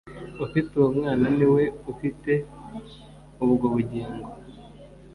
Ufite uwo Mwana ni we ufite ubwo bugingo